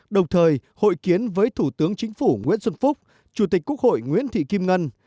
đồng thời hội kiến với thủ tướng chính phủ nguyễn xuân phúc chủ tịch quốc hội nguyễn thị kim ngân